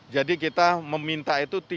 jadi kita meminta itu rp tiga enam ratus